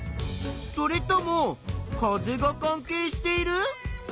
それとも風が関係している？